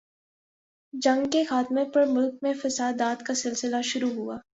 جنگ کے خاتمہ پر ملک میں فسادات کا سلسلہ شروع ہوا۔